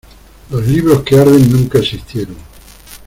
Los libros que arden nunca existieron